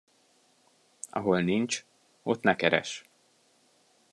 Ahol nincs, ott ne keress.